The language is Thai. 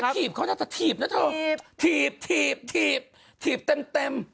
อันเนี้ยถีบเขาจะถีบนะเถอะถีบถีบถีบเต็มเต็ม